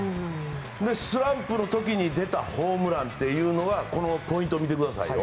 スランプの時に出たホームランというのはこのポイントを見てくださいよ。